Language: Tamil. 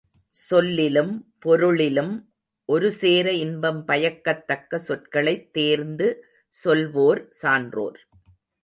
சொல்லிலும் பொருளிலும் ஒருசேர இன்பம் பயக்கத்தக்க சொற்களைத் தேர்ந்து சொல்வோர் சான்றோர்.